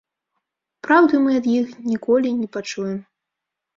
Праўды мы ад іх ніколі не пачуем.